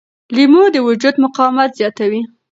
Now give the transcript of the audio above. لیمو د وجود مقاومت زیاتوي.